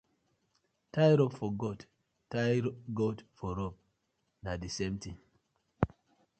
Tie rope for goat, tie goat for rope, na the same thing.